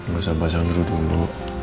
gak usah pasang dulu dulu